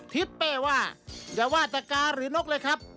ทิศเป้ว่าอย่าว่าตะกาหรือนกเลยครับ